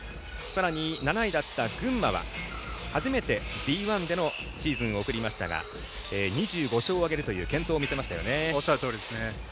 さらに、７位だった群馬は初めてＢ１でのシーズンを送りましたが２５勝を挙げるという健闘を見せましたよね。